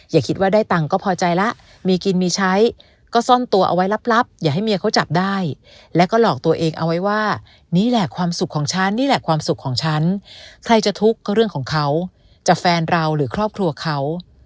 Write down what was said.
อย่าคิดว่าได้ตังค์ก็พอใจแล้วมีกินมีใช้ก็ซ่อนตัวเอาไว้ลับอย่าให้เมียเขาจับได้แล้วก็หลอกตัวเองเอาไว้ว่านี่แหละความสุขของฉันนี่แหละความสุขของฉันใครจะทุกข์ก็เรื่องของเขาจะแฟนเราหรือครอบครัวเขา